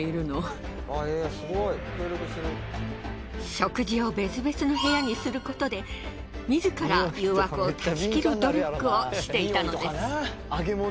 食事を別々の部屋にすることで自ら誘惑を断ち切る努力をしていたのです。